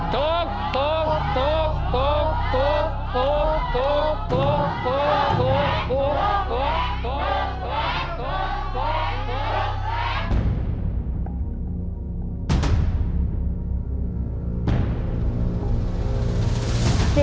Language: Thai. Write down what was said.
ถูกถูกถูกถูก